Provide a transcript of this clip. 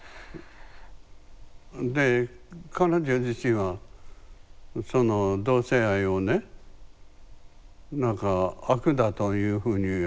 で彼女自身はその同性愛をね何か悪だというふうに思ってるの？